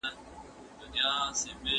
موږ له ماڼۍ څخه ډګر ته وړاندي تللي وو.